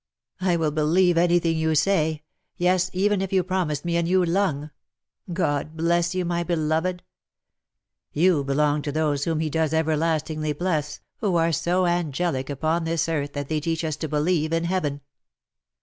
" I will believe anything you say ; yes^ even if you promise me a new lung. God bless you^ my beloved ! You belong to those whom He does ever lastingly bless, who are so angelic upon this earth that they teach us to believe in heaven.